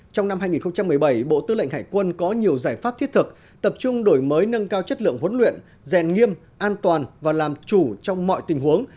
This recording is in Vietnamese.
trong năm hai nghìn một mươi bảy bộ tư lệnh hải quân có nhiều giải pháp thiết thực tập trung đổi mới nâng cao chất lượng huấn luyện rèn nghiêm an toàn và làm chủ trong mọi tình huống